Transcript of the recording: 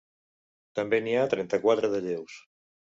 També n’hi ha trenta-quatre de lleus.